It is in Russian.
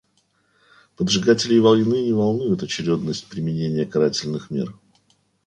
Поджигателей войны не волнует очередность применения карательных мер.